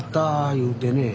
言うてねえ。